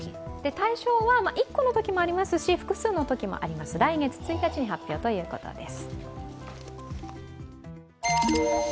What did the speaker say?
大賞は１個のときもありますし複数のときもあります、来月１日に発表ということです。